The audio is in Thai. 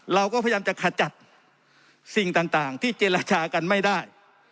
เราก็พยายามจะขจัดสิ่งต่างที่เจรจากันไม่ได้